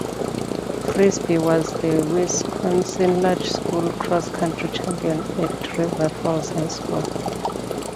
Frisbie was the Wisconsin large school Cross Country champion at River Falls High School.